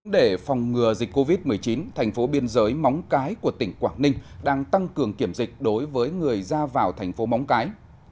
để phòng ngừa dịch covid một mươi chín thành phố biên giới móng cái của tỉnh quảng ninh đang tăng cường kiểm dịch đối với người ra vào thành phố móng cái